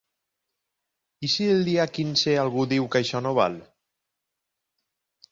I si el dia quinze algú diu que això no val?